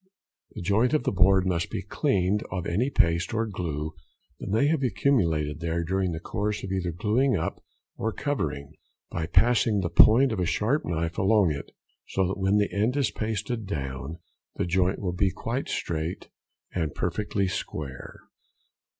The joint of the board must be cleaned of any paste or glue that may have accumulated there during the course of either gluing up or covering, by passing the point of a sharp knife along it, so that when the end is pasted down, the joint will be quite straight and perfectly square.